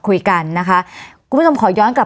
วันนี้แม่ช่วยเงินมากกว่า